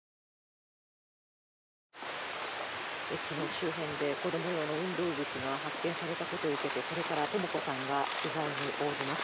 周辺で子供用の運動靴が発見されたことを受けてこれからとも子さんが取材に応じます。